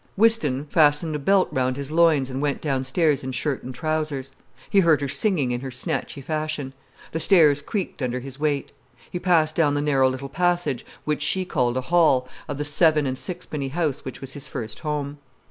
Whiston fastened a belt round his loins and went downstairs in shirt and trousers. He heard her singing in her snatchy fashion. The stairs creaked under his weight. He passed down the narrow little passage, which she called a hall, of the seven and sixpenny house which was his first home.